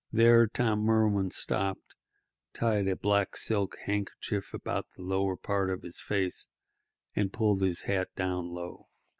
There Tom Merwin stopped, tied a black silk handkerchief about the lower part of his face, and pulled his hat down low.